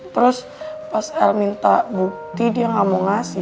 terus pas el minta bukti dia gak mau ngasih